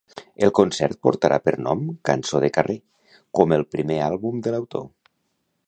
El concert portarà per nom "Cançó de carrer", com el primer àlbum de l'autor.